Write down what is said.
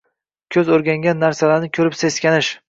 – ko‘z o‘rganmagan narsalarni ko‘rib seskanish